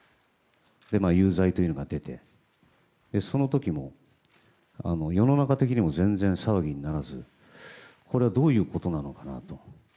有罪というのが出てその時も、世の中的にも全然騒ぎにならずこれはどういうことなのかなと。